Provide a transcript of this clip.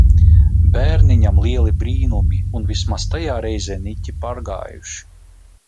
Bērniņam lieli brīnumi, un vismaz tajā reizē niķi pārgājuši.